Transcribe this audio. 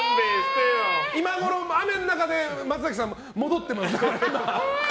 今ごろ雨の中で松崎さん戻っていきました。